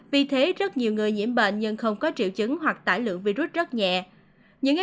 vì thế rất nhiều người nhiễm bệnh nhưng không có triệu chứng hoặc tải lượng virus rất nhẹ